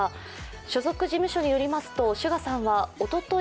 所属事務所によりますとＳＵＧＡさんはおととい